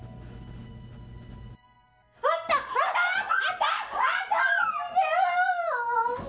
あった、あった！